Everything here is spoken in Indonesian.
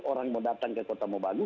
orang mau datang ke kota mobagu